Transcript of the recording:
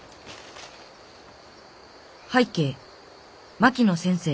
「拝啓槙野先生。